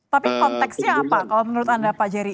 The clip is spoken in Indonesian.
tapi konteksnya apa kalau menurut anda pak jerry